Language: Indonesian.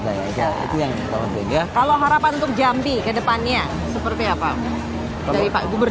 kalau harapan untuk jambi ke depannya seperti apa